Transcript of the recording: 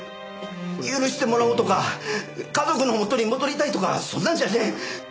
許してもらおうとか家族の元に戻りたいとかそんなんじゃねえ！